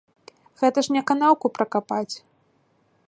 Гэта ж не канаўку пракапаць.